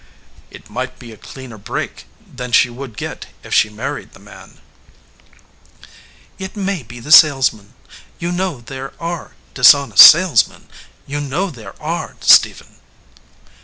"It might be a cleaner break than she would get if she married the man." "It may be the salesman. You know there are dishonest salesmen. You know there are, Stephen."